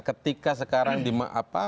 ketika sekarang di apa